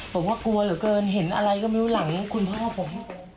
ผมก็กลัวเหลือเกินเห็นอะไรก็ไม่รู้หลังคุณพ่อผม